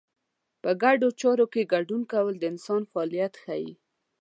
په ګډو چارو کې ګډون کول د انسان فعالیت ښيي.